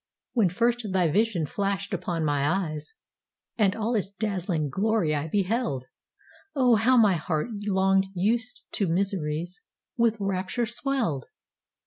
When first thy vision flashed upon my eyes, And all its dazzling glory I beheld, Oh, how my heart, long used to miseries, With rapture swelled!